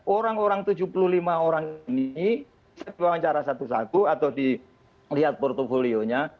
orang orang tujuh puluh lima orang ini secara satu satu atau dilihat portfolio nya